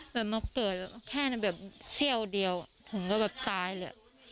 มาเกิดแค่แบบเสี้ยวเดียวถึงก็แบบตายเลย